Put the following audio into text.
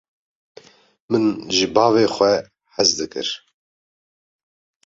Min ji bavê xwe hez dikir.